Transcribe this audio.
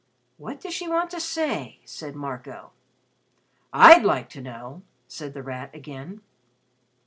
"What does she want to say?" said Marco. "I'd like to know," said The Rat again.